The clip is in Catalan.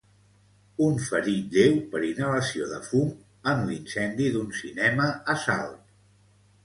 Un ferit lleu per inhalació de fum en l'incendi d'un cinema a Salt.